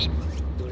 どれ？